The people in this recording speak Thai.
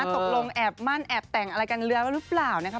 ตกลงแอบมั่นแอบแต่งอะไรกันเรื้อหรือเปล่า